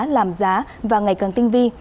làm giá và ngày càng tinh vi